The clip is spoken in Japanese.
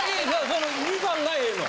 その２番がええの？